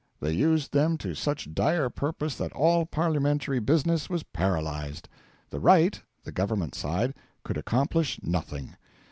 They used them to such dire purpose that all parliamentary business was paralysed. The Right (the Government side) could accomplish nothing.